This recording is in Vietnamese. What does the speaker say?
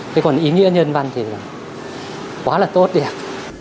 thế còn ý nghĩa nhân văn thì quá là tốt đẹp